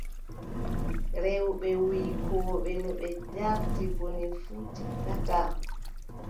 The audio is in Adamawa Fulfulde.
Rewɓe wuykooɓe, no ɓe njardi bone fuu, tikkataa.